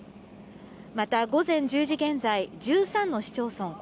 また、午前１０時現在、１３の市町村